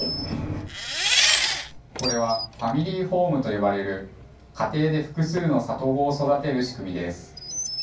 これはファミリーホームと呼ばれる家庭で複数の里子を育てる仕組みです。